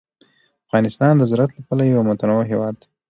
افغانستان د زراعت له پلوه یو متنوع هېواد دی.